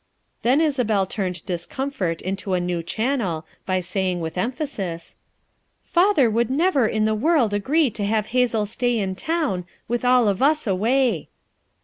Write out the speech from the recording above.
Then Isabel turned discomfort into a new channel by saying with emphasis: "Father would never in the world agree to have Hazel stay in town, with all of us away."